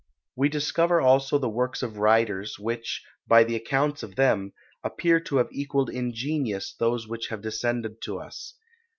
We discover also the works of writers, which, by the accounts of them, appear to have equalled in genius those which have descended to us.